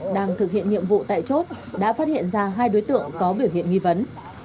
đang thực hiện nhiệm vụ tại chốt đã phát hiện ra hai đối tượng có biểu hiện nghi vấn